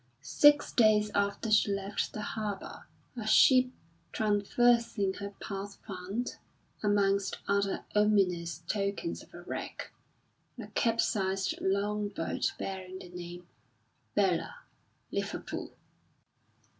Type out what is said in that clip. Six days after she left harbour, a ship traversing her path found, amongst other ominous tokens of a wreck, a capsized long boat bearing the name "Bella, Liverpool."